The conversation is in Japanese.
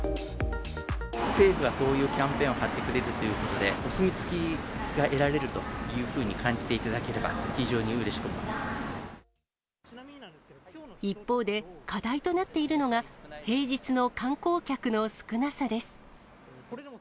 政府がこういうキャンペーンをやってくれるっていうことで、お墨付きが得られるというふうに感じていただければ、非常にうれ一方で、課題となっているのが、平日の観光客の少なさです。